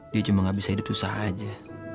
dia cuma gak bisa hidup susah aja